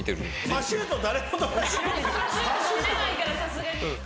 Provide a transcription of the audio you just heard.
パシュートを。